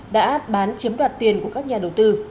đã bán chiếm đoạt tiền của các nhà đầu tư